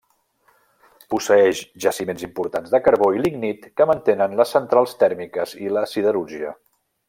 Posseeix jaciments importants de carbó i lignit que mantenen les centrals tèrmiques i la siderúrgia.